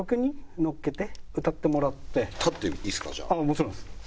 もちろんです。